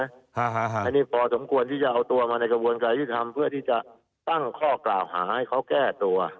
อันนี้พอสมควรที่จะเอาตัวมาในกระบวนการยุทธรรมเพื่อที่จะตั้งข้อกล่าวหาให้เขาแก้ตัว